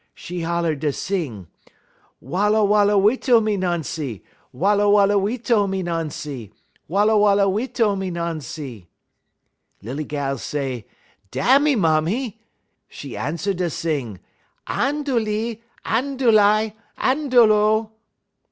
'E holler da sing: "'Walla walla witto, me Noncy, Walla walla witto, me Noncy, Walla walla witto, me Noncy!' "Lilly gal say: 'Da' me mammy!' 'E answer da sing: "'_Andolee! Andoli! Andolo!